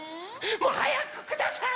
もうはやくください！